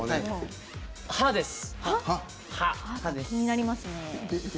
歯です。